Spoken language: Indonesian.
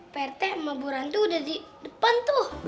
prt sama buranto udah di depan tuh